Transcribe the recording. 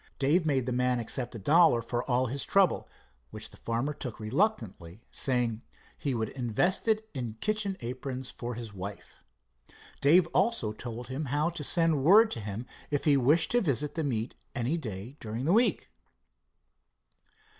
Dave made the man accept a dollar for all his trouble, which the farmer took reluctantly, saying he would invest it in kitchen aprons for his wife. Dave also told him how to send word to him, if he wished to visit the meet any day during the week.